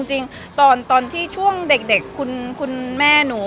จริงตอนที่ช่วงเด็กคุณแม่หนู